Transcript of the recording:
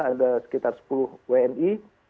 ada sekitar sepuluh wni